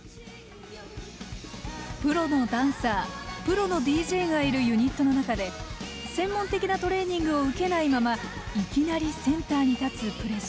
プロのダンサープロのＤＪがいるユニットの中で専門的なトレーニングを受けないままいきなりセンターに立つプレッシャー。